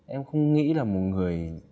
em không nghĩ là một người